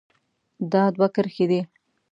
دا دوه کرښې دي.